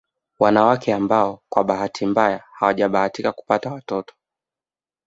Wanawake ambao kwa bahati mbaya hawajabahatika kupata watoto